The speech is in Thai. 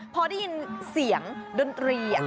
พอได้ยินเสียงดนตรี